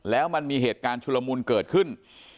แล้วมันมีเหตุการณ์ชุลมุนเกิดขึ้น